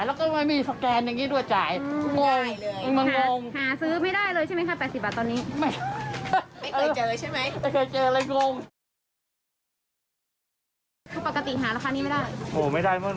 แล้วก็ไม่มีสแกนอย่างนี้ด้วยจ่ายงงมันมางง